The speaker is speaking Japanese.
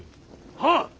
はっ！